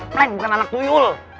pleng bukan anak tuyul